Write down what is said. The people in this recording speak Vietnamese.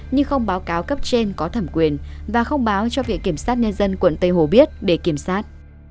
nhưng không báo cáo cấp trên có thẩm quyền và không báo cho viện kiểm sát nhân dân quận tây hồ biết để kiểm soát